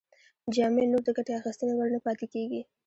جامې نور د ګټې اخیستنې وړ نه پاتې کیږي.